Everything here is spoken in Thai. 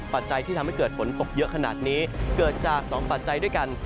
ปัจจัยที่ทำให้เกิดฝนตกเยอะขนาดนี้เกิดจาก๒ปัจจัยด้วยกัน